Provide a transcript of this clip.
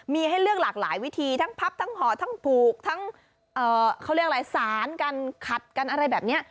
มีให้เลือกหลากหลายวิธีทั้งพับทั้งหอทั้งปลูกทั้งสารกันขัดกันอะไรแบบนี้